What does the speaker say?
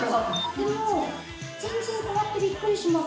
でも全然変わってビックリします。